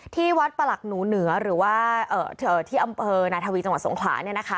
ที่วัดประหลักหนูเหนือหรือว่าที่อำเภอนาธวีจังหวัดสงขลา